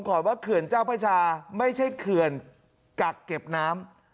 ก่อนว่าเขื่อนเจ้าพระชาไม่ใช่เขื่อนกักเก็บน้ำ